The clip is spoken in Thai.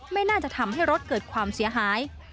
ไม่น่าจะทำให้รถเกิดความเสียหาย